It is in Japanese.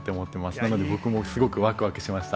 なので、僕もすごくわくわくしました。